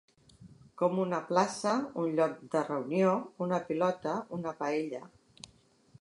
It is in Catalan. Com una plaça, un lloc de reunió, una pilota, una paella.